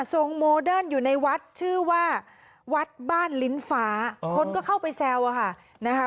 โมเดิร์นอยู่ในวัดชื่อว่าวัดบ้านลิ้นฟ้าคนก็เข้าไปแซวอะค่ะนะคะ